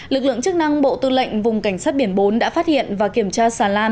lực lượng chức năng bộ tư lệnh vùng cảnh sát biển bốn đã phát hiện và kiểm tra xà lan